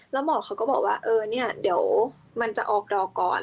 แล้วหมอกเขาก็บอกว่าเดี๋ยวมันจะออกดอกก่อน